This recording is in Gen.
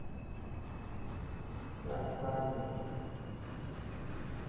Kpakpano.